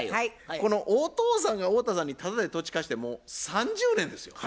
このお父さんが太田さんにタダで土地貸してもう３０年ですよ。